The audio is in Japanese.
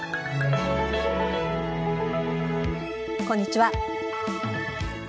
こんにちは。